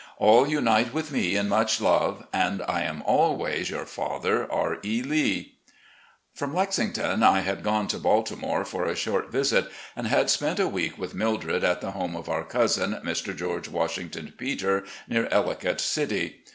All unite with me in much love, and I am, always, "Your father, R. E. Lee." AN IDEAL FATHER 257 From Lexington I had gone to Baltimore for a short visit, and had spent a week with Mildred at the home of our cousin, Mr. Geoige Washington Peter, near EUicott City.